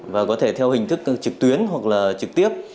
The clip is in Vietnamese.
và có thể theo hình thức trực tuyến hoặc là trực tiếp